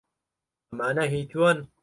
ئەمانە هیی تۆن؟